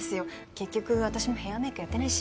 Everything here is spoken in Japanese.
結局私もヘアメイクやってないし。